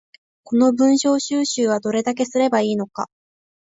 この文章収集はどれだけすれば良いのか